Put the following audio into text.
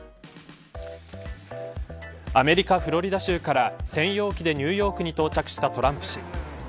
アメリカ、フロリダ州から専用機でニューヨークに到着したトランプ氏。